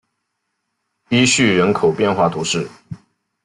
伊叙人口变化图示